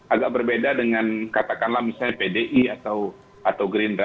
agak berbeda dengan katakanlah misalnya pdi atau gerindra